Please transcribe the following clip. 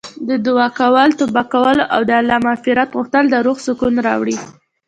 د دعا کولو، توبه کولو او د الله مغفرت غوښتل د روح سکون راوړي.